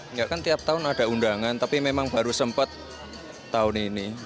enggak kan tiap tahun ada undangan tapi memang baru sempat tahun ini